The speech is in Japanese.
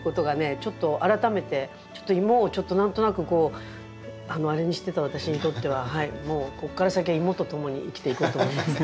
ちょっと改めてちょっとイモをちょっと何となくこうあれにしてた私にとってははいもうこっから先はイモとともに生きていこうと思います。